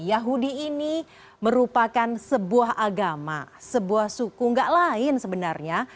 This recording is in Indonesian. yahudi ini merupakan sebuah agama sebuah suku gak lain sebenarnya